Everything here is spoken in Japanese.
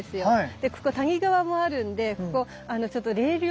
でここ谷川もあるんでここちょっとほう冷涼？